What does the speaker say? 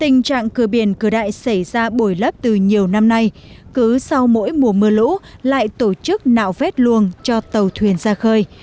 tình trạng cửa biển cửa đại xảy ra bồi lấp từ nhiều năm nay cứ sau mỗi mùa mưa lũ lại tổ chức nạo vét luồng cho tàu thuyền ra khơi